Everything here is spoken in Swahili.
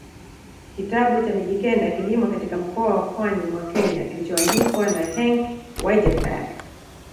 kitabu cha Mijikenda kilimo katika mkoa wa pwani mwa Kenya kilichoandikwa na Henk Waaijenberg